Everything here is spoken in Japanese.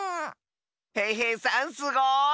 へいへいさんすごい！